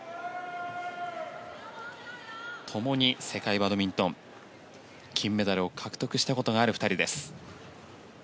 共に世界バドミントン金メダルを獲得したことがある２人です。